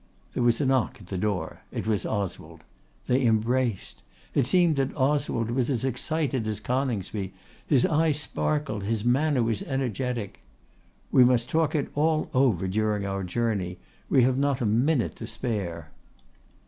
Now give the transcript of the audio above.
There was a knock at the door. It was Oswald. They embraced. It seemed that Oswald was as excited as Coningsby. His eye sparkled, his manner was energetic. 'We must talk it all over during our journey. We have not a minute to spare.